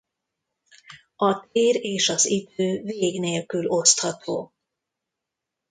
A tér és az idő vég nélkül osztható.